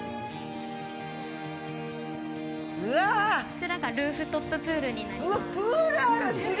こちらがルーフトッププールになります。